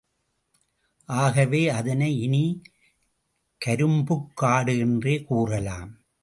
ஆகவே, அதனை இனி கரும்புக்காடு என்றே கூறலாம்.